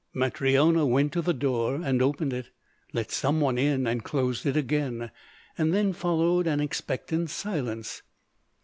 Matryona went to the door and opened it, let some one in and closed it again. Then followed an expectant silence.